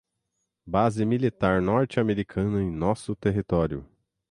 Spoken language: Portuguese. base militar norte-americana em nosso território